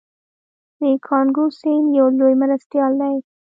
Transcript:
د کانګو سیند یو لوی مرستیال دی.